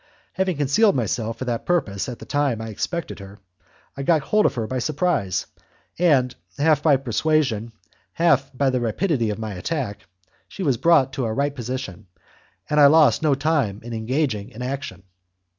Having concealed myself for that purpose at the time I expected her, I got hold of her by surprise, and, half by persuasion, half by the rapidity of my attack, she was brought to a right position, and I lost no time in engaging in action.